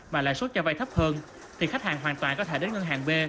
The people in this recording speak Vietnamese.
mà lãi suất cho vay thấp hơn thì khách hàng hoàn toàn có thể đến ngân hàng b